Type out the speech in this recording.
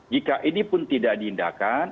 jika ini pun tidak diindahkan